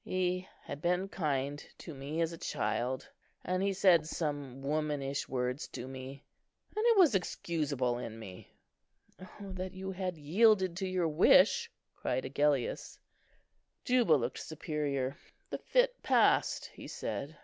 He had been kind to me as a child; and he said some womanish words to me, and it was excusable in me." "Oh that you had yielded to your wish!" cried Agellius. Juba looked superior. "The fit passed," he said.